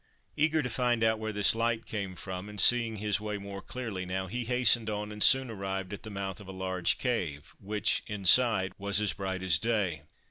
Eager to find out where this light came from, and seeing his way more clearly now, he hastened on, and soon arrived at the mouth of a large cave, which, inside, was as bright as day.